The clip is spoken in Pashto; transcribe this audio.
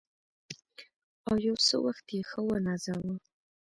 او یو څه وخت یې ښه ونازاوه.